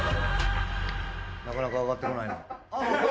なかなか上がってこないな。